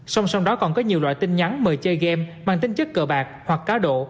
song song đó còn có nhiều loại tin nhắn mời chơi game mang tính chất cờ bạc hoặc cá độ